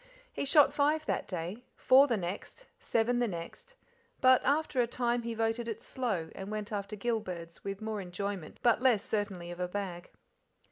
He shot five that day, four the next, seven the next, but after a time he voted it slow, and went after gill birds, with more enjoyment but less certainty of a bag.